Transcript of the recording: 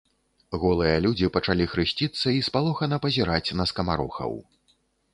Голыя людзі пачалі хрысціцца і спалохана пазіраць на скамарохаў.